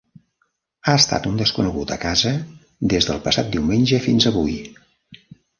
Ha estat un desconegut a casa des del passat diumenge fins avui.